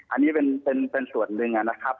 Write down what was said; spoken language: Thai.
อันนี้เป็นส่วนหนึ่งนะครับ